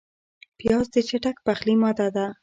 پیاز د چټک پخلي ماده ده